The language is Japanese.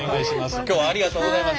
今日はありがとうございます。